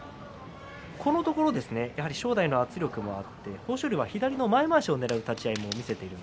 このところ正代の圧力もあって豊昇龍は、左の前まわしをねらう立ち合いです。